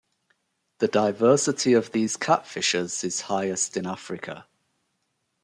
The diversity of these catfishes is highest in Africa.